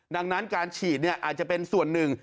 ดังนั้นการฉีดอาจจะเป็นส่วนหนึ่ง